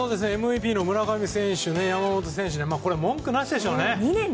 ＭＶＰの村上選手山本選手は文句なしでしょう。